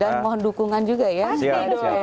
dan mohon dukungan juga ya